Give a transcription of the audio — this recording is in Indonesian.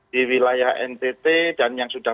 di wilayah ntt dan yang sudah